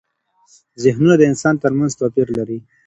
زهنونه د انسانانو ترمنځ توپیر لري.